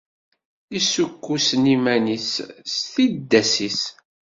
Issukkusen iman-is s tiddas-is.